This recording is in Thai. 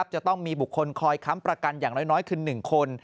จะต้องมีบุคคลคอยค้ำประกันอย่างน้อยคือ๑คน